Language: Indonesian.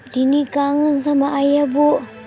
kini kangen sama ayah bu